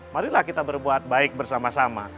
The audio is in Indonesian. marilah kita berbuat baik bersama sama